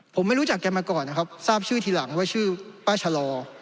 ผมไม่รู้จักแกมาก่อนนะครับทราบชื่อทีหลังว่าชื่อป้าชะลอ